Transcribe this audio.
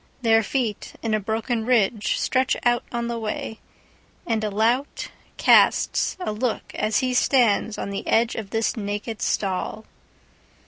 Their feet, in a broken ridgeStretch out on the way, and a lout castsA look as he stands on the edge of this naked stall.